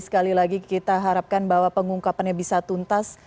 sekali lagi kita harapkan bahwa pengungkapannya bisa tuntas